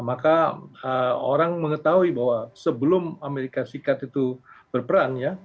maka orang mengetahui bahwa sebelum amerika serikat itu berperan ya